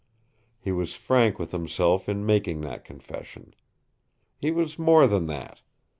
He was frank with himself in making that confession. He was more than that.